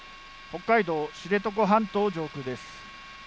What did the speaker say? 北海道知床半島上空です。